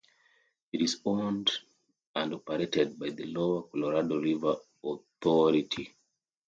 It is owned and operated by the Lower Colorado River Authority.